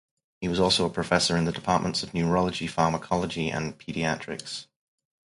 He was also a professor in the departments of neurology, pharmacology, and pediatrics.